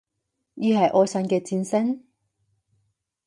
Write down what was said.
而係愛神嘅箭聲？